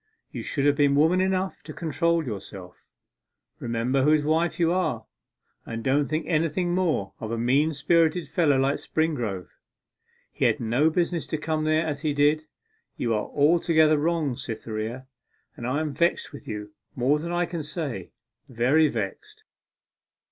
You should have been woman enough to control yourself. Remember whose wife you are, and don't think anything more of a mean spirited fellow like Springrove; he had no business to come there as he did. You are altogether wrong, Cytherea, and I am vexed with you more than I can say very vexed.